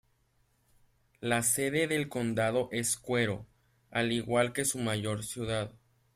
La sede del condado es Cuero, al igual que su mayor ciudad.